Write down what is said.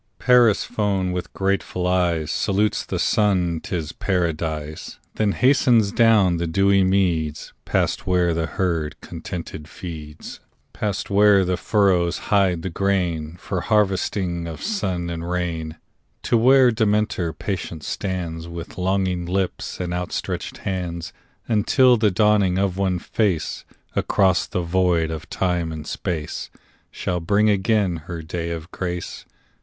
Persephone with grateful eyes Salutes the Sun—'tis Paradise: Then hastens down the dewy meads, Past where the herd contented feeds, Past where the furrows hide the grain, For harvesting of sun and rain; To where Demeter patient stands With longing lips and outstretched hands, Until the dawning of one face Across the void of time and space Shall bring again her day of grace.